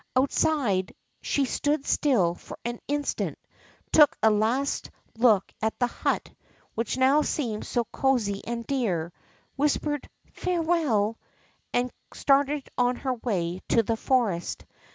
Outside, she stood still for an instant, took a last look at the hut, which now seemed so cosy and dear, whispered Farewell," and started on her way to the forest.